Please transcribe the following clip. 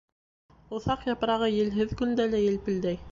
Уҫаҡ япрағы елһеҙ көндә лә елпелдәй.